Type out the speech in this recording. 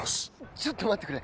ちょっと待ってくれ。